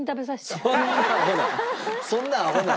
そんなアホな。